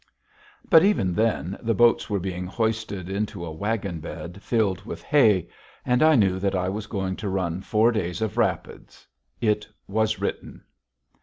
But even then the boats were being hoisted into a wagon bed filled with hay. And I knew that I was going to run four days of rapids. It was written.